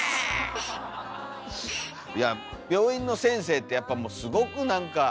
いや病院の先生ってやっぱすごくなんか。